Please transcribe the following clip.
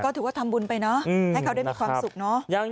ถือว่าทำบุญไปเนอะให้เขาได้มีความสุขเนอะ